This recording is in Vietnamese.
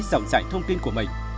dòng chảy thông tin của mình